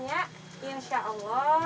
insya allah mungkin kirangan tak nyeri